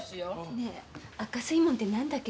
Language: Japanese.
ねえ赤水門って何だっけ？